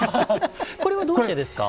これはどうしてですか？